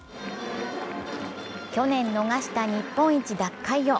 去年逃した日本一奪回を。